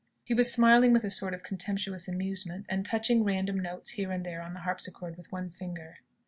He was smiling with a sort of contemptuous amusement, and touching random notes here and there on the harpsichord with one finger.